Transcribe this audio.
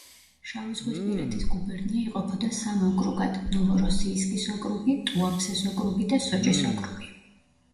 შავიზღვისპირეთის გუბერნია იყოფოდა სამ ოკრუგად: ნოვოროსიისკის ოკრუგი, ტუაფსეს ოკრუგი და სოჭის ოკრუგი.